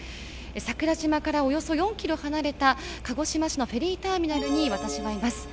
桜島から、およそ４キロ離れた鹿児島市のフェリーターミナルに私はいます。